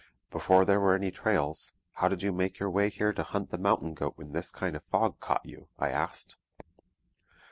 'Before there were any trails, how did you make your way here to hunt the mountain goat when this kind of fog caught you?' I asked.